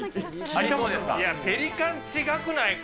いや、ペリカン違くないか？